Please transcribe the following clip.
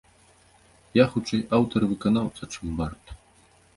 Я хутчэй аўтар і выканаўца, чым бард.